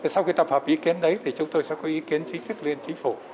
sau khi tập hợp ý kiến đấy thì chúng tôi sẽ có ý kiến chính thức lên chính phủ